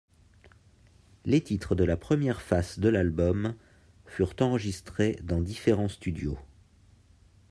Les titres de la première face de l'album furent enregistrés dans différents studios.